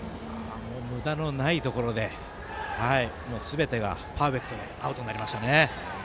むだのないところですべてがパーフェクトでアウトになりましたね。